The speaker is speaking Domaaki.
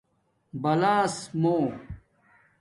بالاس مُو